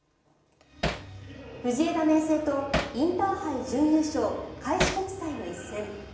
藤枝明誠と、インターハイ準優勝開志国際の一戦。